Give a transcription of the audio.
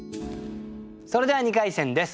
それでは２回戦です。